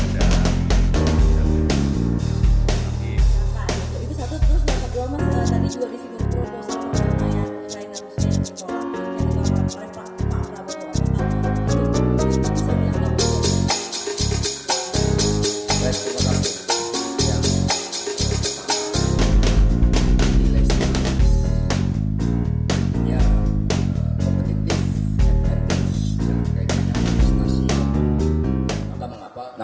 dan masih depan